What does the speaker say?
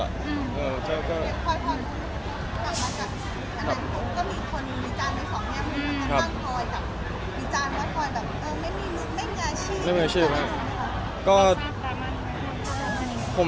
ก็ตามีการหยุดความไปกัน